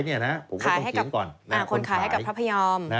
ขายให้กับพระพยอม